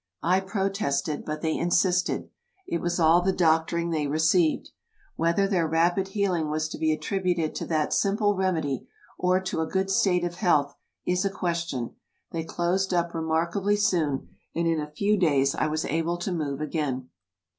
I protested, but they insisted. It was all the doctoring they received. Whether their rapid healing was to be attributed to that simple remedy or to a good state of health, is a question; they closed up remarkably soon, and in a few days I was able to move again.